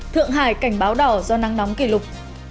thượng hải cảnh báo đỏ do nắng nóng kỷ lục